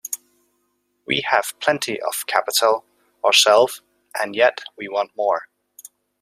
We have plenty of capital ourselves, and yet we want more.